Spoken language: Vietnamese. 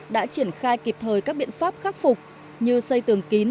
đã triển khai kịp thời các biện pháp khắc phục như xây tường kín